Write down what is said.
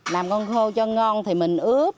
làm con khô cho ngon thì mình ướp